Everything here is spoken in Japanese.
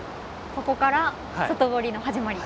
ここから外堀の始まり。